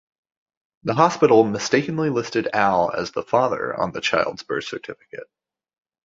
The hospital mistakenly listed Al as the father on the child's birth certificate.